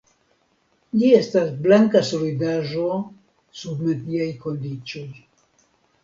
Ĝi estas blanka solidaĵo sub mediaj kondiĉoj.